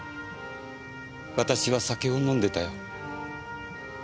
私は酒を飲んでたよ。